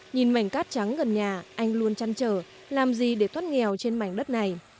nhìn mảnh cát trắng gần nhà anh luôn chăn trở làm gì để thoát nghèo trên mảnh đất này